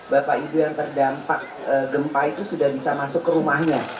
bapak ibu yang terdampak gempa itu sudah bisa masuk ke rumahnya